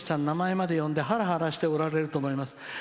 名前まで読んではらはらしてると思います。